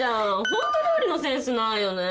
ホント料理のセンスないよね。